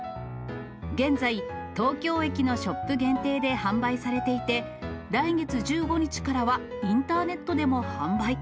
現在、東京駅のショップ限定で販売されていて、来月１５日からはインターネットでも販売。